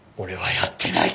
やってない！